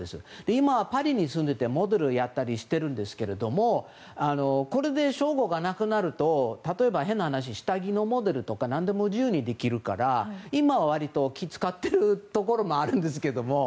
今はパリに住んでいてモデルをやったりしているんですけどこれで称号がなくなると例えば変な話、下着のモデルとか何でも自由にできるから今は割と気を使っているところもあるんですけど。